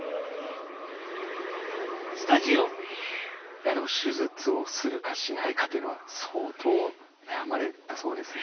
いやでも手術をするかしないかというのは相当悩まれたそうですね。